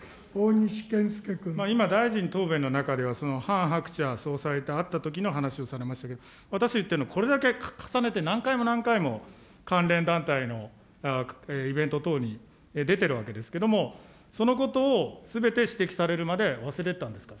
今、大臣答弁の中では、ハン・ハクチャ総裁と会ったときの話をされましたけれども、私、言ってるのは、これだけ重ねて何回も何回も、関連団体のイベント等に出てるわけですけれども、そのことをすべて指摘されるまで忘れてたんですか。